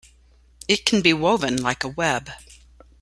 It can be woven like a web.